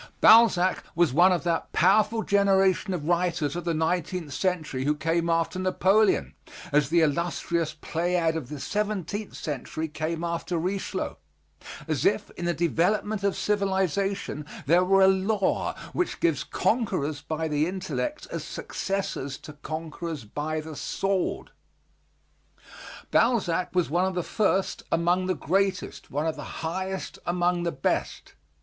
Balzac was one of that powerful generation of writers of the nineteenth century who came after Napoleon, as the illustrious Pleiad of the seventeenth century came after Richelieu, as if in the development of civilization there were a law which gives conquerors by the intellect as successors to conquerors by the sword. Balzac was one of the first among the greatest, one of the highest among the best.